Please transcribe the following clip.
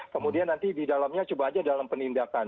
kemudian nanti di dalamnya coba aja dalam penindakan